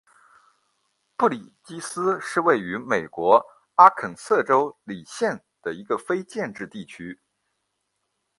布里基斯是位于美国阿肯色州李县的一个非建制地区。